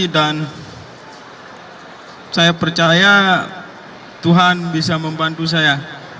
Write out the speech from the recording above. dan saya percaya tuhan bisa membantu saya